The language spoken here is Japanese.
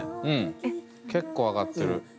うん結構上がってる。